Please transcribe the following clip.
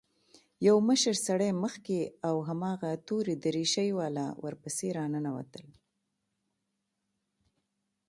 يو مشر سړى مخکې او هماغه تورې دريشۍ والا ورپسې راننوتل.